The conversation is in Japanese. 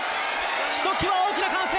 ひときわ大きな歓声！